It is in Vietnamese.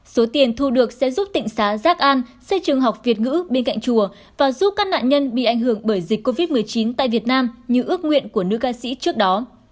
số tiền thu được sẽ giúp tịnh xá giác an xây trường học việt ngữ bên cạnh chùa và giúp các nạn nhân bị ảnh hưởng bởi dịch covid một mươi chín tại việt nam như ước nguyện của nữ ca sĩ trước đó